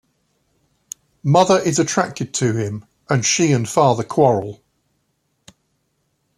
Mother is attracted to him, and she and Father quarrel.